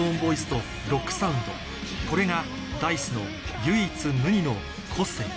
これがＤａ−ｉＣＥの唯一無二の個性